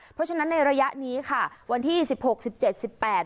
เพราะฉะนั้นในระยะนี้ค่ะวันที่สิบหกสิบเจ็ดสิบแปด